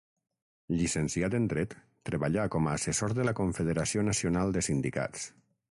Llicenciat en dret, treballà com a assessor de la Confederació Nacional de Sindicats.